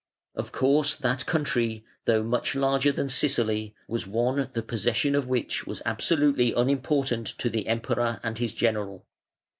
Of course that country, though much larger than Sicily, was one the possession of which was absolutely unimportant to the Emperor and his general.